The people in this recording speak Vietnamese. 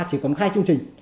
chỉ còn hai chương trình